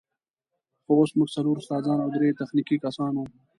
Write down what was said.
خو اوس موږ څلور استادان او درې تخنیکي کسان وو.